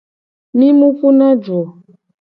Mi mu puna du o.